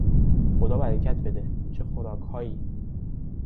خدا برکت بده، چه خوراکهایی!